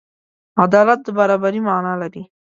عدالت د برابري معنی لري.